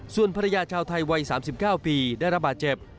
ส่วนภรรยาชาวไทยวัย๓๙ปีได้รับบาดเจ็บ